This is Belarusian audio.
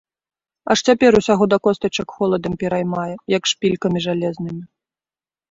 Аж цяпер усяго да костачак холадам пераймае, як шпількамі жалезнымі.